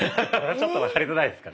ちょっと分かりづらいですか。